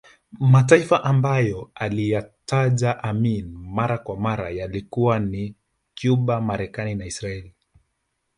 Mataifa ambayo aliyataja Amin mara kwa mara yalikuwa ni Cuba Marekani na Israeli